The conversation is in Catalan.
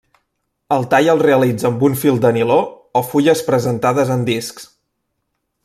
El tall el realitza amb un fil de niló o fulles presentades en discs.